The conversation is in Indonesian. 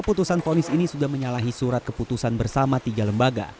putusan ponis ini sudah menyalahi surat keputusan bersama tiga lembaga